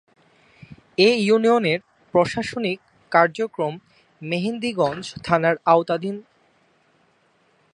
এ ইউনিয়নের প্রশাসনিক কার্যক্রম মেহেন্দিগঞ্জ থানার আওতাধীন।